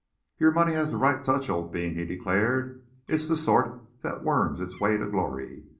"Your money has the right touch, old bean," he declared. "It's the sort that worms its way to glory.